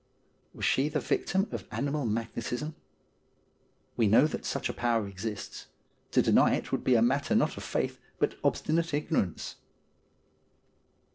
Was she the victim of animal magnetism ? We know that such a power exists. To deny it would be a matter not of faith but obstinate ignorance.